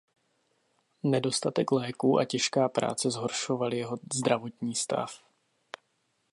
Nedostatek léků a těžká práce zhoršovaly jeho zdravotní stav.